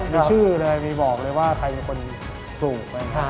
มีชื่อเลยมีบอกเลยว่าใครเป็นคนถูก